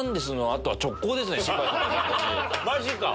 マジか！